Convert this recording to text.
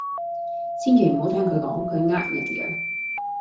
千祈唔好聽佢講，佢呃人㗎。